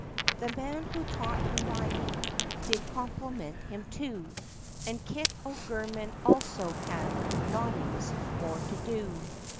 The man who taught him riding, did compliment him too, And Kit O'Gorman also had "nodings" more to do.